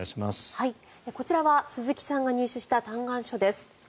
こちらは鈴木さんが入手した嘆願書です。